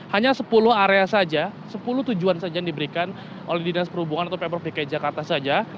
hanya sepuluh area saja sepuluh tujuan saja yang diberikan oleh dinas perhubungan atau pemprov dki jakarta saja